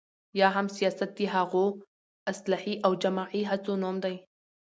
یا هم سياست د هغو اصلاحي او جمعي هڅو نوم دی،